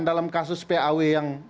dalam kasus paw yang